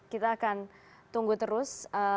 kita akan tunggu terus